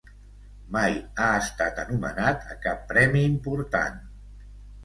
Mai ha estat anomenat a cap premi important.